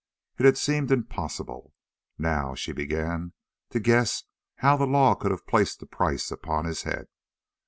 It had seemed impossible. Now she began to guess how the law could have placed a price upon his head.